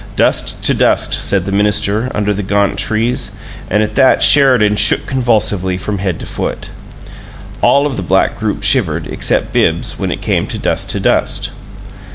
"Dust to dust," said the minister, under the gaunt trees; and at that Sheridan shook convulsively from head to foot. All of the black group shivered, except Bibbs, when it came to "Dust to dust."